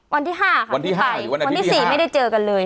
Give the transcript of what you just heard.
วันที่๕ค่ะวันที่ไปวันที่๔ไม่ได้เจอกันเลย